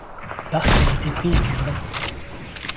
Parce qu'elle est éprise du vrai.